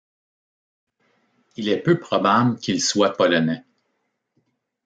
Il est peu probable qu’il soit Polonais.